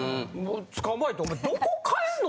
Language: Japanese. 捕まえてお前どこ帰んの？